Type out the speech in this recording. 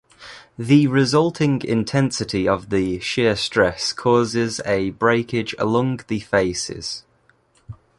The resulting intensity of the shear stress causes a breakage along the faces.